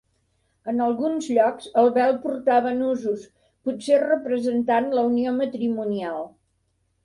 En alguns llocs el vel portava nusos, potser representant la unió matrimonial.